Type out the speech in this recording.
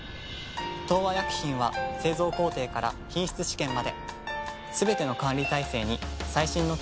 東和薬品は製造工程から品質試験まですべての管理体制に最新の機器や技術を導入。